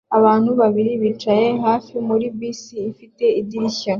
Abantu babiri bicaye hafi muri bisi ifite idirishya